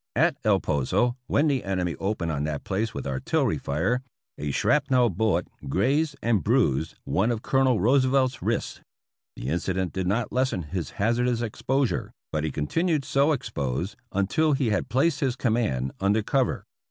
At El Poso, when the enemy opened on that place with artillery fire, a shrap nel bullet grazed and bruised one of Colonel Roosevelt's wrists. The incident did not lessen his hazardous exposure, but he continued so exposed until he had placed his com mand under cover.